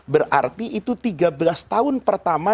berarti itu tiga belas tahun pertama